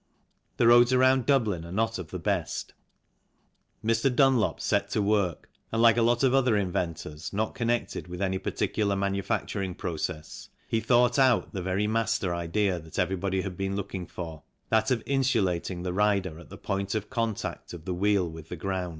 The roads around Dublin are not of the best. Mr. Dunlop set to work, and like a lot of other inventors not connected with any particular manufac turing process, he thought out the very master idea that everybody had been looking for, that of insulating the rider at the point of contact of the wheel with the ground.